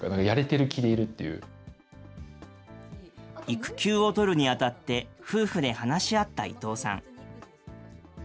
育休を取るにあたって、夫婦で話し合った伊藤さん。